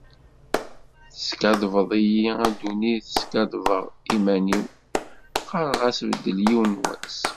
Teskaddbeḍ-iyi a ddunit, skaddbeɣ iman-iw, qqareɣ-as beddel yiwen wass.